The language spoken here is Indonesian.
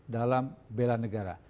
dalam bela negara